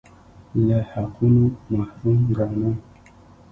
له حقونو محروم ګاڼه